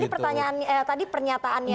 itu tadi pernyataannya